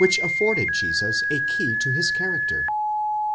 i afforded Jesus a key to his character.